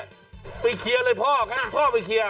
แต่ก็ไปเคลียร์เลยพ่อไปเคลียร์